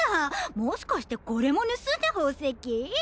もしかしてこれも盗んだ宝石？